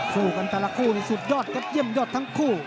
สู้กันแต่ละคู่นี่สุดยอดครับเยี่ยมยอดทั้งคู่